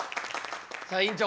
さあ院長